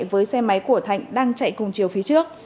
với xe máy của thạnh đang chạy cùng chiều phía trước